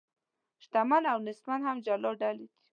شتمن او نیستمن هم جلا ډلې دي.